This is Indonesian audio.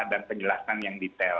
dan penjelasan yang detail